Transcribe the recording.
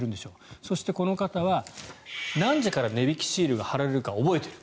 そしてこの方は何時から値引きシールが貼られるか覚えている。